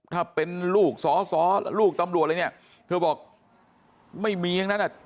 ถ้าเป็นลูกสอสอลูกตำรวจอะไรเนี่ยเธอบอกไม่มีอย่างนั้นอ่ะ